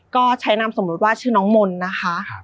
ก็ใช้นามสมมุติว่าชื่อน้องมนต์นะคะ